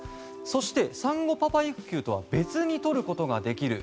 そして、産後パパ育休とは別に取ることができる。